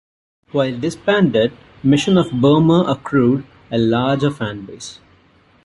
While disbanded, Mission of Burma accrued a larger fanbase.